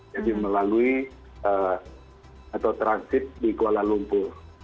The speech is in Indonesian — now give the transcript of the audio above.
jadi melalui atau transit di kuala lumpur